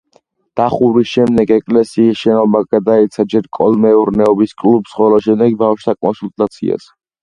დახურვის შემდეგ ეკლესიის შენობა გადაეცა ჯერ კოლმეურნეობის კლუბს, ხოლო შემდეგ ბავშვთა კონსულტაციას.